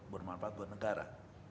bermanfaat buat negara